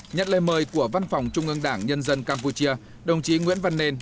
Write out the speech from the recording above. nhận lời mời của văn phòng trung ương đảng nhân dân campuchia đồng chí nguyễn văn nên